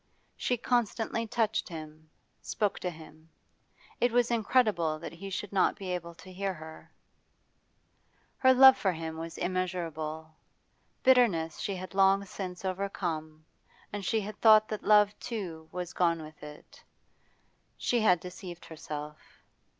She constantly touched him, spoke to him. It was incredible that he should not be able to hear her. Her love for him was immeasurable. Bitterness she had long since overcome, and she had thought that love, too, was gone with it. She had deceived herself.